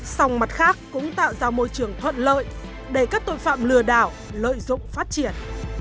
sòng mặt khác cũng tạo ra môi trường thuận lợi để các tội phạm lừa đảo lợi dụng phát triển